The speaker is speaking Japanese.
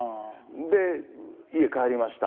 で、家帰りました。